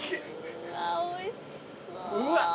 うわおいしそう。